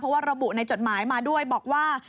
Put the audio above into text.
ว่าระบุในจดหมายมาด้วยบอกว่า